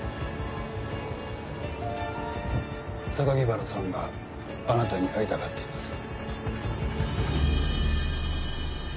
原さんがあなたに会いたがっています。